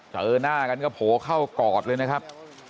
เจอหน้ากันก็โผล่เข้ากอดเลยนะครับ